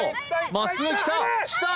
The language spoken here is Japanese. まっすぐきたきた！